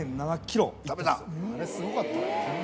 あれすごかった。